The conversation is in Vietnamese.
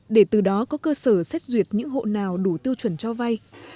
để từ đó có cơ sở xét duyệt những hộ nào đủ tiêu chuẩn cho vay